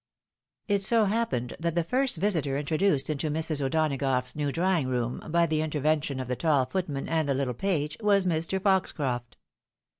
It so happened that the first visitor introduced into Mrs. O'Donagough's new drawing room, by the intervention of the tall footman and the Uttle page, was Mr. Foxcroft.